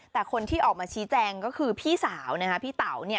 แต่คนที่ออกมาชี้แจงก็คือพี่สาวพี่เต๋า